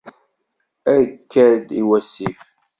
Akka-d i wasif.